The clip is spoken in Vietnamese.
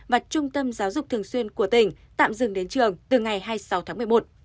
và trung tâm giáo dục thường xuyên của tỉnh tạm dừng đến trường từ ngày hai mươi sáu tháng một mươi một